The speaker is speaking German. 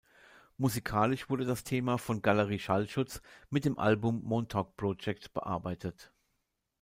Musikalisch wurde das Thema von Galerie Schallschutz mit dem Album "Montauk Project" bearbeitet.